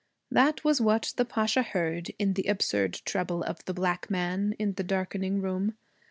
That was what the Pasha heard, in the absurd treble of the black man, in the darkening room.